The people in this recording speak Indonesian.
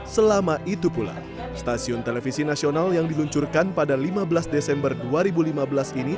selama itu pula stasiun televisi nasional yang diluncurkan pada lima belas desember dua ribu lima belas ini